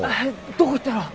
どこ行ったろう？